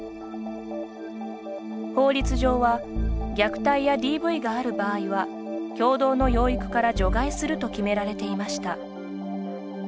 法律上は虐待やＤＶがある場合は共同の養育から除外すると決められていました。